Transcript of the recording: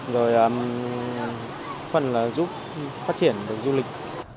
rồi phần là giúp phát triển được du lịch